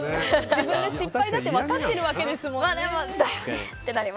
自分で失敗だって分かっているわけですもんね。